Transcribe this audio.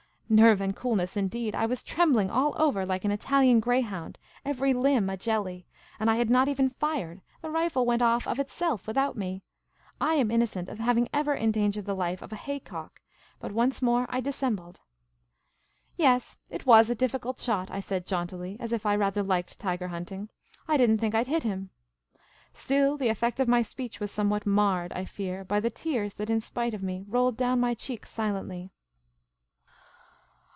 Nerve and coolness, indeed ! I was trembling all over like an Italian greyhound, every limb a jelly; and I had not even fired ; the rifle went off" of itself without me. I am innocent of having ever endangered the life of a haycock. But once more I dissembled. "Yes, it zuas a difficult shot," I said jauntily, as if I rather liked tiger hunting. '' I did n't think I 'd hit him." Still the effect of my speech was somewhat marred, I fear, by the tears that in spite of me rolled down my cheek silently.